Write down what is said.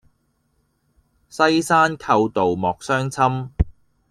西山寇盜莫相侵。